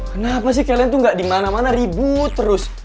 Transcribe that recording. kenapa sih kalian tuh gak dimana mana ribut terus